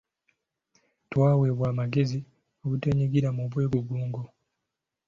Twaweebwa amagezi obuteenyigira mu bwegugungo.